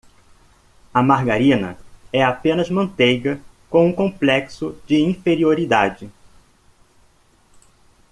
A margarina é apenas manteiga com um complexo de inferioridade.